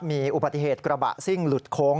มีอุบัติเหตุกระบะซิ่งหลุดโค้ง